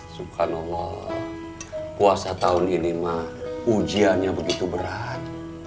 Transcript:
subhanallah puasa tahun ini mah ujiannya begitu berat